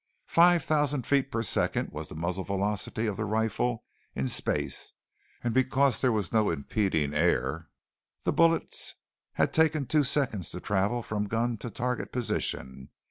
Five thousand feet per second was the muzzle velocity of the rifle in space and because there was no impeding air, the bullets had taken two seconds to travel from gun to target position.